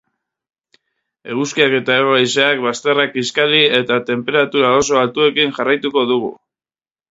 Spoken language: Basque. Eguzkiak eta hego haizeak bazterrak kiskali eta tenperatura oso altuekin jarraituko dugu.